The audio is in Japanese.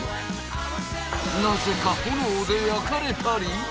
なぜか炎で焼かれたり。